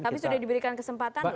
tapi sudah diberikan kesempatan